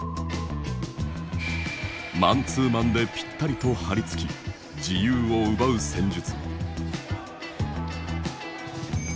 マンツーマンでぴったりと張り付き自由を奪う戦術。